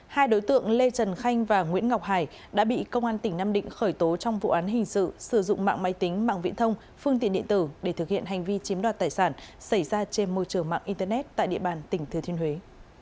hai đối tượng lê trần khanh và nguyễn ngọc hải đã bị công an tỉnh nam định khởi tố trong vụ án hình sự sử dụng mạng máy tính mạng viễn thông phương tiện điện tử để thực hiện hành vi chiếm đoạt tài sản xảy ra trên môi trường mạng internet tại địa bàn tỉnh thừa thiên huế